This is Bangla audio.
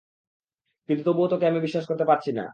কিন্তু তবুও তোকে আমি বিশ্বাস করতে পারছি না।